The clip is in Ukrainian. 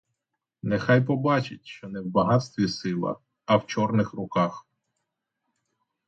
Нехай побачить, що не в багатстві сила, а в чорних руках.